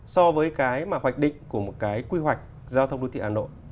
so với cái mà hoạch định của một cái quy hoạch giao thông đô thị hà nội